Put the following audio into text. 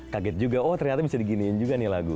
kaget juga oh ternyata bisa diginiin juga nih lagu